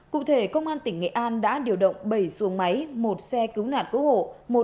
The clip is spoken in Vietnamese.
cụ thể công an tỉnh nghệ an đã điều động bảy xuồng máy một xe cứu nạn cứu hộ